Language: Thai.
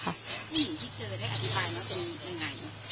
ผู้หญิงที่เจอได้อธิบายไหมเป็นยังไง